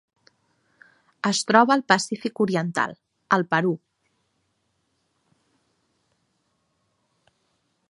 Es troba al Pacífic oriental: el Perú.